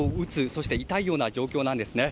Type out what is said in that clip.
そして痛いような状況なんですね。